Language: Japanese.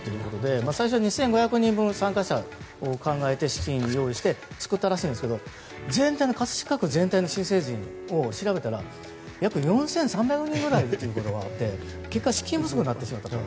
最初は２５００人分を参加者と考えて資金を用意して作ったらしいんですが葛飾区全体の新成人を調べたら約４３００人ぐらいいるということが分かって結果資金不足になったと。